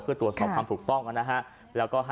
เพื่อตรวจสอบความถูกต้องนะฮะ